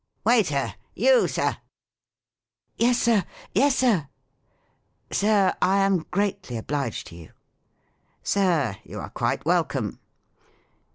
"Waiter! you. Sir." "Yes, Sir! yes. Sir!" "Sir, I am greatly obliged to you." "Sir, you are quite welcome."